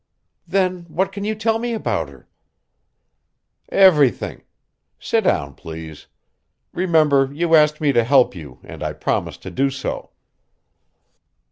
"Then what can you tell me about her?" "Everything! Sit down, please. Remember you asked me to help you and I promised to do so."